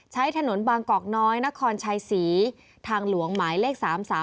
ใช้ถนนบางกอกน้อยนครชัยศรีทางหลวงหมายเลข๓๓